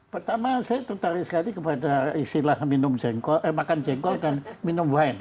pertama saya tertarik sekali kepada istilah minum makan jengkol dan minum wine